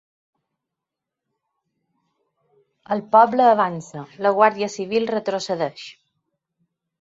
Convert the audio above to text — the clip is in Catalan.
El poble avança, la guàrdia civil retrocedeix.